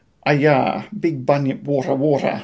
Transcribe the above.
"Yah, ah! big bunyip water, water!"